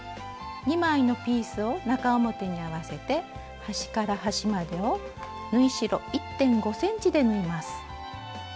２枚のピースを中表に合わせて端から端までを縫い代１．５ｃｍで縫います。